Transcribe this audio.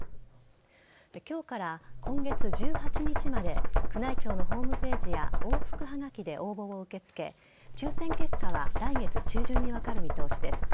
今日から今月１８日まで宮内庁のホームページや往復はがきで応募を受け付け抽選結果は来月中旬に分かる見通しです。